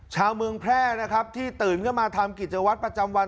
ชาวเมืองแพร่นะครับที่ตื่นขึ้นมาทำกิจวัตรประจำวัน